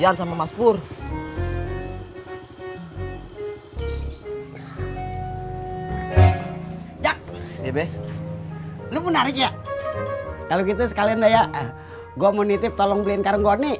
tunggu tunggu tunggu